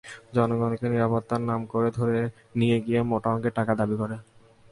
জনগণকে নিরাপত্তার নাম করে ধরে নিয়ে গিয়ে মোটা অঙ্কের টাকা দাবি করে।